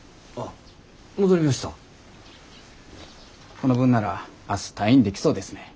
この分なら明日退院できそうですね。